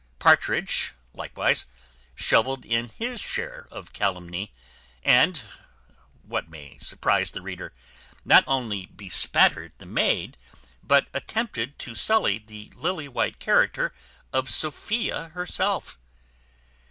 Partridge likewise shovelled in his share of calumny, and (what may surprize the reader) not only bespattered the maid, but attempted to sully the lily white character of Sophia herself.